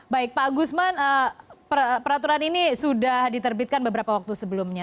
baik pak gusman peraturan ini sudah diterbitkan beberapa waktu sebelumnya